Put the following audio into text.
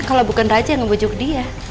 kalau bukan raja yang membujuk dia